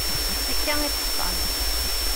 Akka i teḥṣamt.